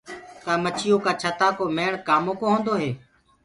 ڪآ مآکيو ڪآ ڇتآ ڪو ميڻ ڪآمو ڪو هوندو هي۔